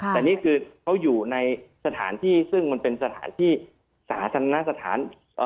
แต่นี่คือเขาอยู่ในสถานที่ซึ่งมันเป็นสถานที่สาธารณสถาน